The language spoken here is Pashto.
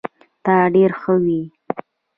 تا ډير ښه وي